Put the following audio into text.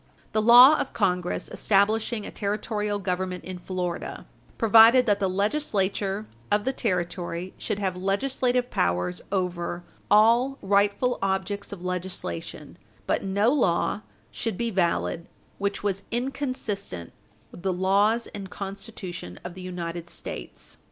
The law of Congress establishing a Territorial Government in Florida provided that the Legislature of the Territory should have legislative powers over "all rightful objects of legislation, but no law should be valid which was inconsistent with the laws and Constitution of the United States."